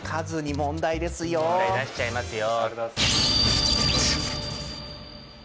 問題出しちゃいますよ。